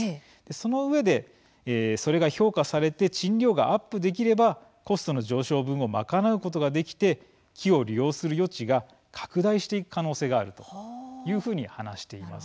そのうえで、それが評価されて賃料がアップできればコストの上昇分を賄うことができて木を利用する余地が拡大していく可能性があるというふうに話しています。